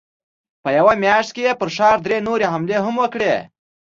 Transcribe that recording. په يوه مياشت کې يې پر ښار درې نورې حملې هم وکړې.